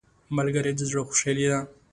ملګری د زړه خوشحالي ده